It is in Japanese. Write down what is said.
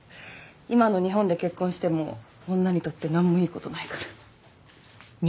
今の日本で結婚しても女にとってなんもいい事ないから。